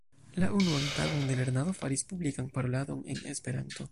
La unuan tagon de lernado faris publikan paroladon en Esperanto.